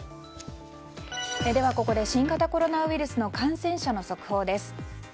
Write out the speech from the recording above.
ここで新型コロナウイルスの感染者の速報です。